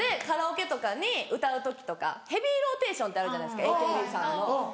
カラオケとかに歌う時とか『ヘビーローテーション』ってあるじゃないですかＡＫＢさんの。